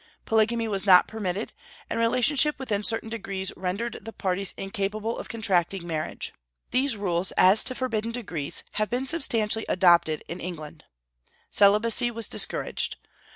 Polygamy was not permitted; and relationship within certain degrees rendered the parties incapable of contracting marriage. (These rules as to forbidden degrees have been substantially adopted in England.) Celibacy was discouraged.